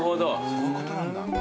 そういうことなんだ。